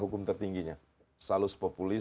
hukum tertingginya salus populis